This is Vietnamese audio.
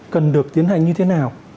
cần được tiến hành như thế nào